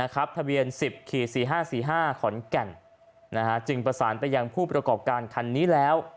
ทะเบียน๑๐๔๕๔๕ขอนแก่นจึงประสานไปยังผู้ประกอบการคันนี้แล้ว